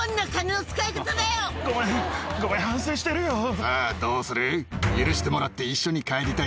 さぁどうする？